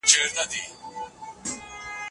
بلخ د تاريخ او تمدن مور ده.